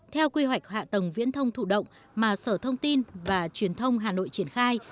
theo quy hoạch hạ tầng viễn thông thụ động mà sở thông tin và truyền thông hà nội triển khai